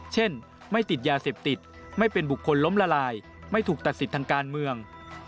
เช่นไม่ติดยาเสพติดไม่เป็นบุคคลล้มละลายไม่ถูกตัดสิทธิ์ทางการเมือง